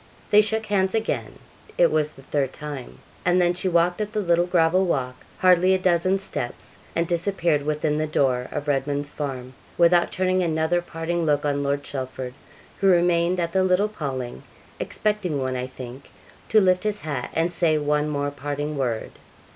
They shook hands again it was the third time and then she walked up the little gravel walk, hardly a dozen steps, and disappeared within the door of Redman's Farm, without turning another parting look on Lord Chelford, who remained at the little paling expecting one, I think to lift his hat and say one more parting word.